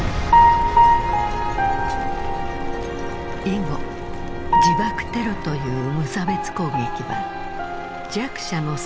以後自爆テロという無差別攻撃は弱者の戦術として定着。